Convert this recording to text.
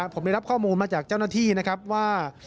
ผมได้รับข้อมูลมาจากเจ้าหน้าที่นะครับว่า